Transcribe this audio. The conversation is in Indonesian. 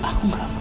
aku gak mau